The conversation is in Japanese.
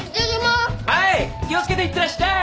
はい気を付けていってらっしゃい。